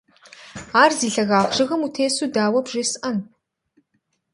Ар зи лъэгагъ жыгым утесу дауэ бжесӀэн?